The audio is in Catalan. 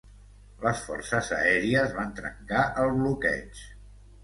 Les forces aèries van trencar el bloqueig.